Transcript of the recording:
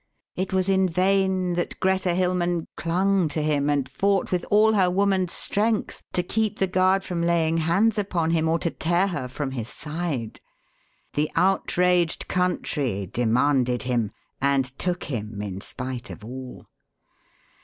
it was in vain that Greta Hilmann clung to him and fought with all her woman's strength to keep the guard from laying hands upon him or to tear her from his side; the outraged country demanded him, and took him in spite of all.